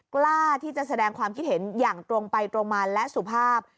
กล้าที่จะแสดงความคิดเห็นอย่างตรงไปตรงมาและสุภาพ